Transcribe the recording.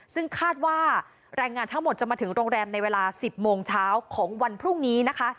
ซึ่งคาดว่าแรงงานทั้งหมดจะมาถึงโรงแรมในเวลา๑๐โมงเช้าของวันพรุ่งนี้นะคะ